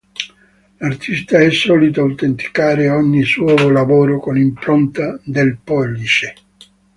L'artista è solito autenticare ogni suo lavoro con l’impronta del pollice.